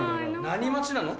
何待ちなの？